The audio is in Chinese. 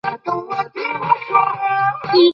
中华短沟红萤为红萤科短沟红萤属下的一个种。